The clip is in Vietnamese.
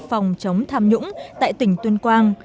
phòng chống tham nhũng tại tỉnh tuyên quang